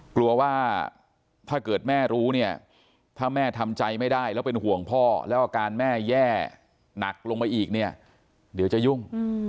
กลัวว่าถ้าเกิดแม่รู้เนี่ยถ้าแม่ทำใจไม่ได้แล้วเป็นห่วงพ่อแล้วอาการแม่แย่หนักลงมาอีกเนี่ยเดี๋ยวจะยุ่ง